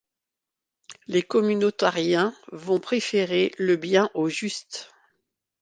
Les communautariens vont préférer le bien au juste.